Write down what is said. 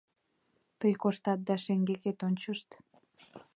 — Тый кошт да шеҥгекет ончышт!